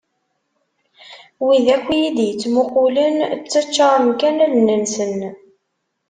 Wid akk iyi-d-ittmuqulen ttaččaren kan allen-nsen.